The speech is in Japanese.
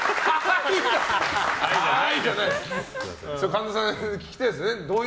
神田さん、聞きたいんですよね